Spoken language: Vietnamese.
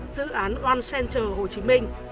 dự án one center hồ chí minh